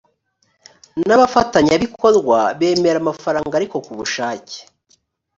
n’abafatanyabikorwa bemera amafaranga ariko ku bushake